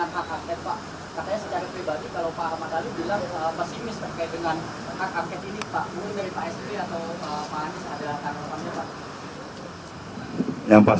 ini kan semuanya juga sempat ada